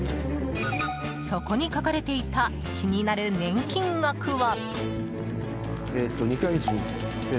そこに書かれていた気になる年金額は。